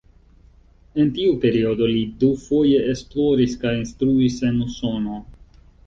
En tiu periodo li dufoje esploris kaj instruis en Usono.